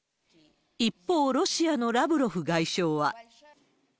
一方、ロシアのラブロフ外相は。